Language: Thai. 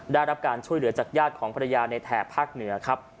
ได้รับการช่วยเหลือจากญาติของภรรยาในแถบภาคเหนือครับ